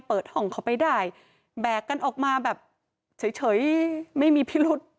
เปิดห้องเขาไปได้แบกกันออกมาแบบเฉยไม่มีพิรุษ